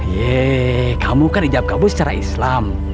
yeh kamu kan ijab kamu secara islam